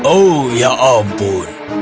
oh ya ampun